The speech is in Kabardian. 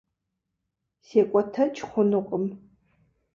Секӏуэтэкӏ хъунукъым.